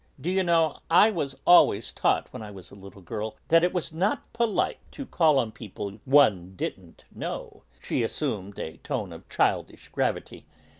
D'you know, I was always taught, when I was a little girl, that it was not polite to call on people one didn't know." She assumed a tone of childish gravity.